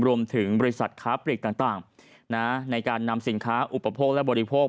รวมถึงบริษัทค้าปลีกต่างในการนำสินค้าอุปโภคและบริโภค